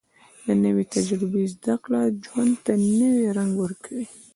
د نوې تجربې زده کړه ژوند ته نوې رنګ ورکوي